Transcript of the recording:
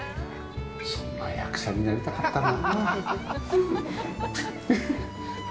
そんな役者になりたかったなあ。